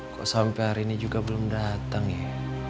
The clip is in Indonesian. kok sampai hari ini juga belum datang ya